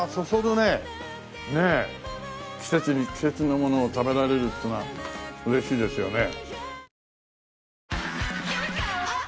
季節に季節のものを食べられるっていうのは嬉しいですよね。